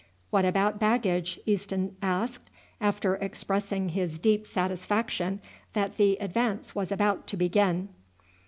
"What about baggage?" Easton asked, after expressing his deep satisfaction that the advance was about to begin.